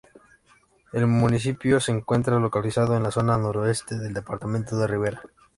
El municipio se encuentra localizado en la zona noroeste del departamento de Rivera.